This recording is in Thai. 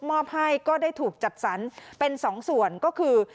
มอบให้ก็ได้ถูกจัดสรรเป็นสองส่วนก็คือ